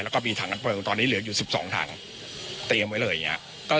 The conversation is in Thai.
แล้วก็มีถังน้ำเพลิงตอนนี้เหลืออยู่๑๒ถังเตรียมไว้เลยอย่างนี้